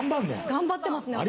頑張ってますね私。